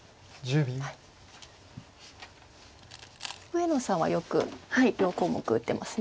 上野さんはよく両小目打ってます。